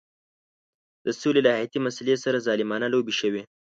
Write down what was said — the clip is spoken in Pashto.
د سولې له حیاتي مسلې سره ظالمانه لوبې شوې.